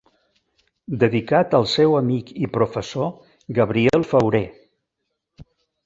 Dedicat al seu amic i professor Gabriel Fauré.